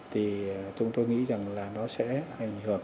thì chúng tôi nghĩ rằng là nó sẽ hành hợp